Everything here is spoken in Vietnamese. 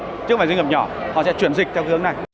chứ không phải doanh nghiệp nhỏ họ sẽ chuyển dịch theo hướng này